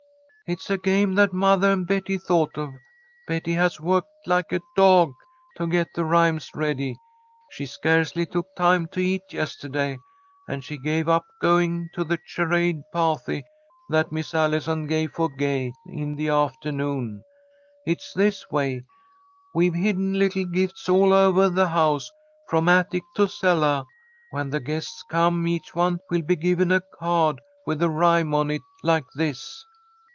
"It's a game that mothah and Betty thought of. Betty has worked like a dawg to get the rhymes ready. She scarcely took time to eat yestahday, and she gave up going to the charade pah'ty that Miss Allison gave for Gay in the aftahnoon. It's this way. We've hidden little gifts all ovah the house, from attic to cellah. When the guests come, each one will be given a card with a rhyme on it, like this."